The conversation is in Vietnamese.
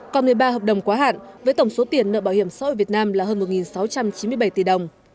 còn một mươi ba hợp đồng quá hạn với tổng số tiền nợ bảo hiểm xã hội việt nam là hơn một sáu trăm chín mươi bảy tỷ đồng